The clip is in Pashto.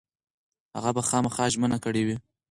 هغه به خامخا ژمنه کړې وي.